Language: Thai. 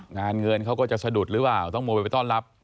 งานเงินเขาก็จะสะดุดหรือเปล่าต้องโมไปต้อนรับ